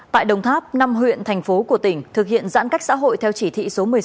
tại đồng tháp năm huyện thành phố của tỉnh thực hiện giãn cách xã hội theo chỉ thị số một mươi sáu